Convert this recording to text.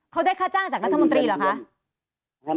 เขาได้ค่าจ้างจากรัฐมนตรีเหรอคะ